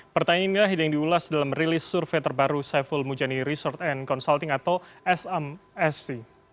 pertanyaan inilah yang diulas dalam rilis survei terbaru saiful mujani research and consulting atau smsc